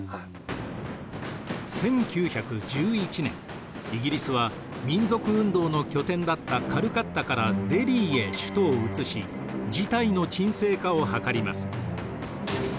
１９１１年イギリスは民族運動の拠点だったカルカッタからデリーへ首都を移し事態の沈静化を図ります。